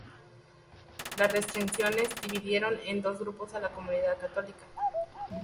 La restricciones dividieron en dos grupos a la comunidad católica.